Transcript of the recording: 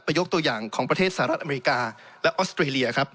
ยกตัวอย่างของประเทศสหรัฐอเมริกาและออสเตรเลียครับ